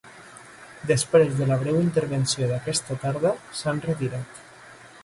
Després de la breu intervenció d’aquesta tarda, s’han retirat.